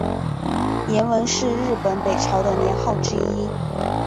延文是日本北朝的年号之一。